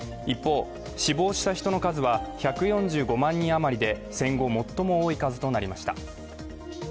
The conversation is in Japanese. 一方、死亡した人の数は１４５万人余りで戦後最も多い数となりました。